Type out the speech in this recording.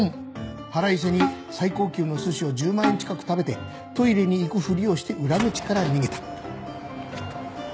腹いせに最高級のすしを１０万円近く食べてトイレに行くふりをして裏口から逃げた。